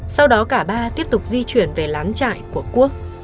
sau đó cả ba tiếp tục di chuyển về lán trại của quốc